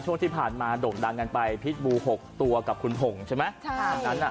ช่วงที่ผ่านมาโด่งดังกันไปพิษบู๖ตัวกับคุณหงใช่ไหม